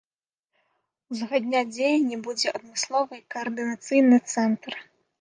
Узгадняць дзеянні будзе адмысловы каардынацыйны цэнтр.